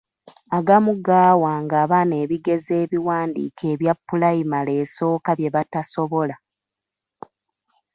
Agamu gaawanga abaana ebigezo ebiwandiike ebya pulayimale esooka bye batasobola.